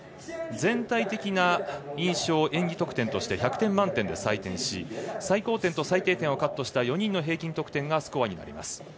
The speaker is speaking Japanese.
全体的な印象を演技得点として１００点満点で採点し最高点と最低点をカットして４人の平均得点がスコアに入ります。